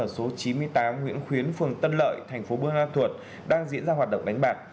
số chín mươi tám nguyễn khuyến phường tân lợi thành phố bương an thuột đang diễn ra hoạt động đánh bạc